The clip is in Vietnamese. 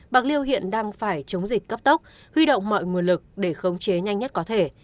bạc liêu hiện đang phải chống dịch cấp tốc huy động mọi nguồn lực để khống chế nhanh nhất có thể